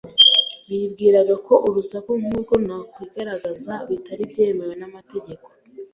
" Bibwiraga ko urusaku nk'urwo no kwigaragaza bitari byemewe n'amategeko